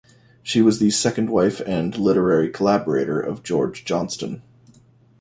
She was the second wife and literary collaborator of George Johnston.